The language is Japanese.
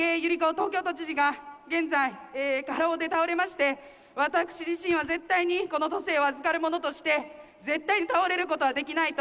東京都知事が、現在、過労で倒れまして、私自身は絶対に、この都政を預かる者として、絶対倒れることはできないと。